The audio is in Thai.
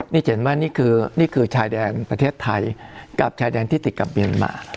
นี่จะเห็นว่านี่คือชายแดนประเทศไทยกับชายแดนที่ติดกับเมียนมา